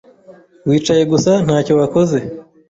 Wicaye gusa ntacyo wakoze.